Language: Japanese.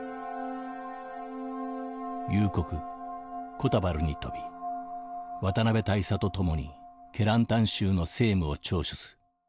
「夕刻コタバルに飛び渡辺大佐と共にケランタン州の政務を聴取す。